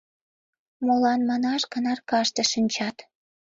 Молан манаш гын аркаште шинчат.